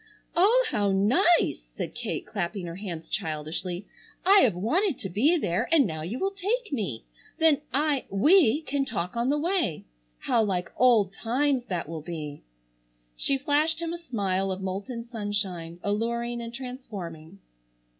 "Oh, how nice!" said Kate, clapping her hands childishly, "I have wanted to be there, and now you will take me. Then I—we—can talk on the way. How like old times that will be!" She flashed him a smile of molten sunshine, alluring and transforming.